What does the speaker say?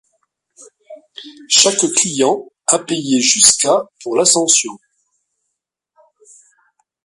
Chaque client a payé jusqu'à pour l'ascension.